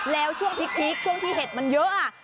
แล้วช่วงพริกช่วงที่เห็ดมันเยอะ